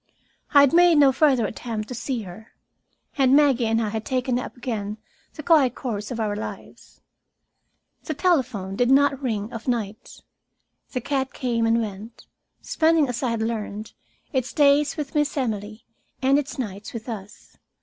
I had made no further attempt to see her, and Maggie and I had taken up again the quiet course of our lives. The telephone did not ring of nights. The cat came and went, spending as I had learned, its days with Miss Emily and its nights with us.